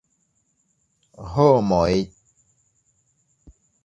Homoj!